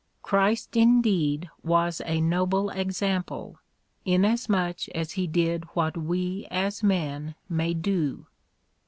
Christ indeed was a noble example, inasmuch as he did what we as men may do.